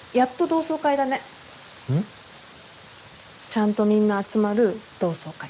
ちゃんとみんな集まる同窓会。